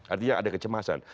artinya ada kecemasan